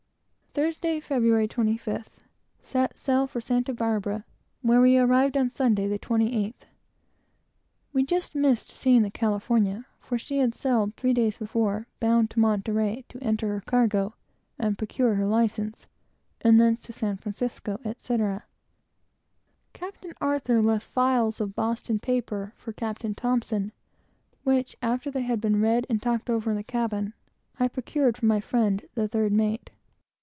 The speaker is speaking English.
Thursday, Feb. 25th. Set sail for Santa Barbara, where we arrived on Sunday, the 28th. We just missed of seeing the California, for she had sailed three days before, bound to Monterey, to enter her cargo and procure her license, and thence to San Francisco, etc. Captain Arthur left files of Boston papers for Captain T , which, after they had been read and talked over in the cabin, I procured from my friend the third mate.